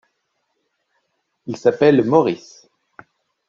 Il s'appelle Maurice.